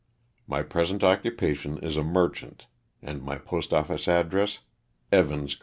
My present occupation is a merchant and my post office address, Evans, Col.